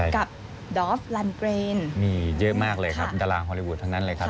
กับดอฟลันเกรนมีเยอะมากเลยครับดารางฮอลลีวูดทั้งนั้นเลยครับ